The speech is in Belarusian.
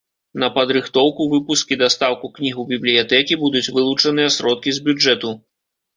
На падрыхтоўку, выпуск і дастаўку кніг у бібліятэкі будуць вылучаныя сродкі з бюджэту.